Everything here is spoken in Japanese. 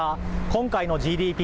今回のＧＤＰ。